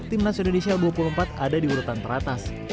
tim nasi indonesia dua puluh empat ada di urutan terakhir